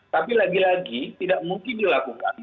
tapi lagi lagi tidak mungkin dilakukan